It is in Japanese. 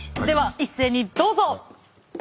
では一斉にどうぞ。